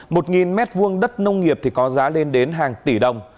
một m hai đất nông nghiệp thì có giá lên đến hàng tỷ đồng